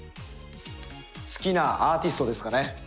好きなアーティストですかね。